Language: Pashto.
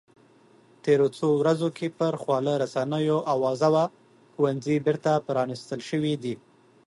تېرو څو ورځو کې پر خواله رسنیو اوازه وه ښوونځي بېرته پرانیستل شوي دي